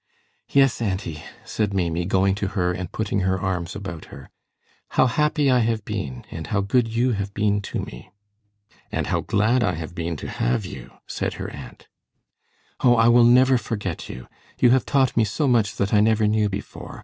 "Yes, auntie," said Maimie, going to her and putting her arms about her. "How happy I have been, and how good you have been to me!" "And how glad I have been to have you!" said her aunt. "Oh, I will never forget you! You have taught me so much that I never knew before.